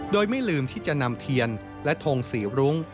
โดยไม่ลืมที่จะนำเทียนและทงสีรุ้ง